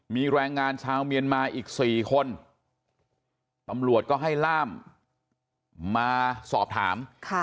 มีแรงงานชาวเมียนมาอีก๔คนตำรวจก็ให้ล่ามมาสอบถาม